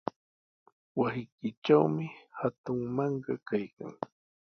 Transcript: Wasiykitrawmi hatun mankaa kaykan.